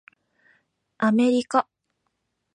アメリカ